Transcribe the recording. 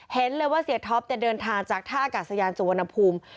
เห็นเลยว่าเสียท็อปเดินทางจากท่าอากาศยานสุวรรณภูมิ